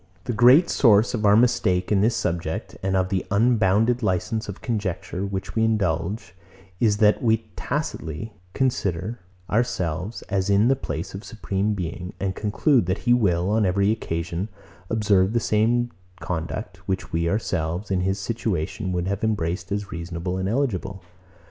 The great source of our mistake in this subject, and of the unbounded licence of conjecture, which we indulge, is, that we tacitly consider ourselves, as in the place of the Supreme Being, and conclude, that he will, on every occasion, observe the same conduct, which we ourselves, in his situation, would have embraced as reasonable and eligible.